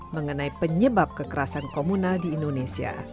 mengenai penyebab kekerasan komunal di indonesia